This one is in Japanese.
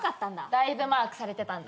だいぶマークされてたんだ。